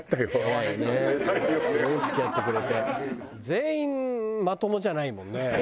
全員まともじゃないもんね。